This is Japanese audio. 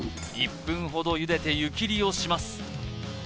１分ほどゆでて湯切りをします